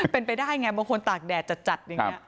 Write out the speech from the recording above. เป็นไปได้ไงบางคนตากแดดจัด